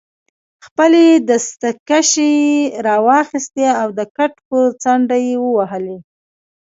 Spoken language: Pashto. خپلې دستکشې يې راواخیستې او د کټ پر څنډه ېې ووهلې.